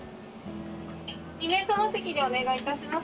２名さま席でお願いいたします。